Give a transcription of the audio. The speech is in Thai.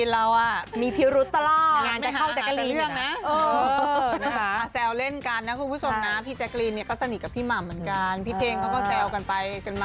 แล้วจะไปเชียงรายอีกรอบ